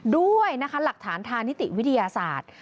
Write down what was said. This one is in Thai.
ด้วยนะคะหลักฐานทางนิติวิทยาศาสตร์